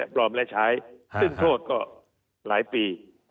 ปลอมและใช้ซึ่งโทษก็หลายปี